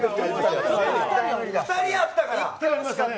２人やったから。